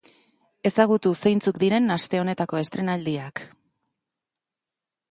Ezagutu zeintzuk diren aste honetako estreinaldiak.